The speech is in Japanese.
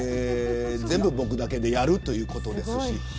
全部、僕だけでやるということです。